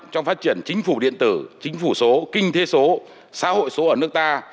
trong phát triển chính phủ điện tử chính phủ số kinh tế số xã hội số ở nước ta